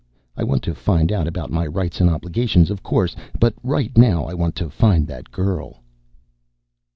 "I want to find out about my rights and obligations, of course. But right now, I want to find that girl."